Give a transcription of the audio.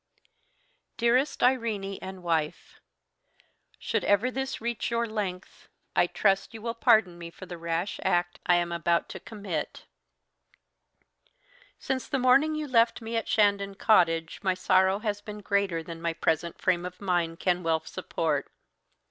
"Dearest Irene and Wife, "Should ever this reach your length, I trust you will pardon me for the rash act I am about to commit. "Since the morning you left me at Shandon Cottage my sorrow has been greater than my present frame of mind can well support.